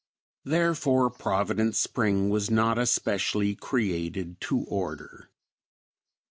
Therefore Providence Spring was not especially created to order.